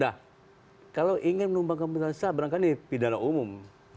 nah kalau ingin menumbangkan pemerintah yang sah berangkali ini pidana umum